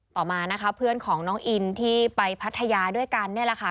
ต่อมานะคะเพื่อนของน้องอินที่ไปพัทยาด้วยกันเนี่ยแหละค่ะ